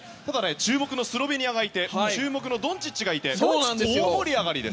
注目のスロベニアがいてドンチッチがいて大盛り上がりです。